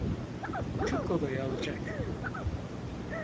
Çok kolay olacak.